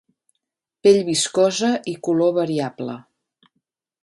Pell viscosa i color variable.